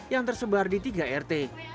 yang tersebar di tiga rt